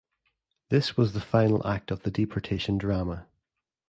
This was the final act of the deportation drama.